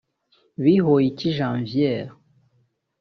Bihoyiki Janvière